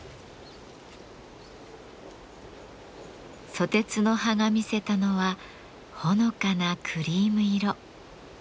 ソテツの葉が見せたのはほのかなクリーム色。